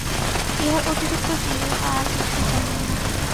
ইহার অতিরিক্ত তিনি আর কিছুই জানেন না।